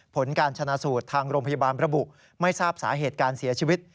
ผลการชนะสูตรทางโรงพยาบาลระบุไม่ทราบสาเหตุการเสียชีวิต